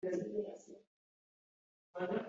umwotsi w’ umubavu uva mu kuboko kwa yesu.